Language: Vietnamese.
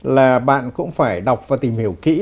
là bạn cũng phải đọc và tìm hiểu kỹ